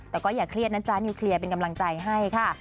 แต่ก็อย่าเครียดนะจ๊ะนิวเคลียร์เป็นกำลังใจให้ค่ะ